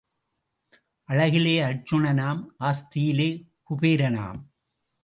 அழகிலே அர்ஜூனனாம் ஆஸ்தியிலே குபேரனாம்.